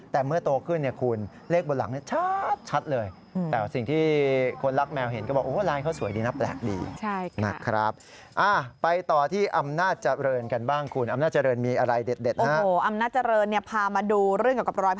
แต่เมื่อโตขึ้นคุณเลขบนหลังจะชัดชัดเลย